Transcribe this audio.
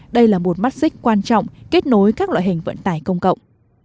đây là một mắt xích quan trọng kết nối các loại hình vận tải công cộng